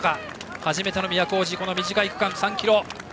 初めての都大路短い区間の３ｋｍ。